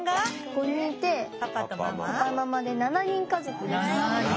５人いてパパママで７人家族！